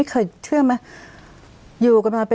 คุณปอ